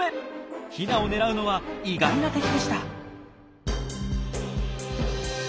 ヒナを狙うのは意外な敵でした。